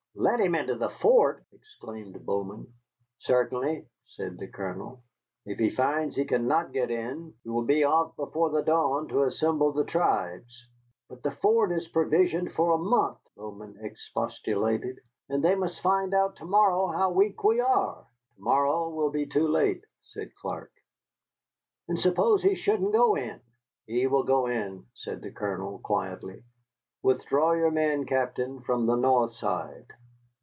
"Let him into the fort!" exclaimed Bowman. "Certainly," said the Colonel; "if he finds he cannot get in, he will be off before the dawn to assemble the tribes." "But the fort is provisioned for a month," Bowman expostulated; "and they must find out to morrow how weak we are." "To morrow will be too late," said Clark. "And suppose he shouldn't go in?" "He will go in," said the Colonel, quietly. "Withdraw your men, Captain, from the north side."